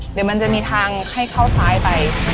เดี๋ยวมันจะมีทางให้เข้าซ้ายไป